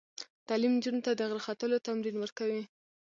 تعلیم نجونو ته د غره ختلو تمرین ورکوي.